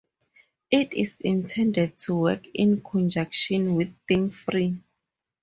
It is intended to work in conjunction with ThinkFree.